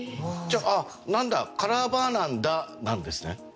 じゃあ「なんだカラーバーなんだ」なんですね。